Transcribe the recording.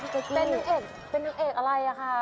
เป็นหนังเอกเป็นหนังเอกอะไรคะ